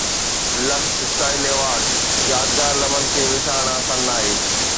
Luxe Style Awards يادگار لمحن کي وسارڻ آسان ناهي